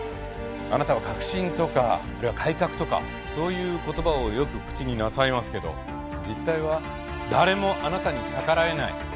あなたは革新とかあるいは改革とかそういう言葉をよく口になさいますけど実態は誰もあなたに逆らえない。